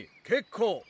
結構。